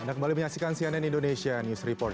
anda kembali menyaksikan cnn indonesia news report